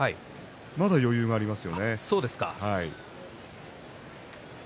まだ余裕があります。